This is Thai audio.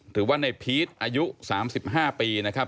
หรือว่าในพีชอายุ๓๕ปีนะครับ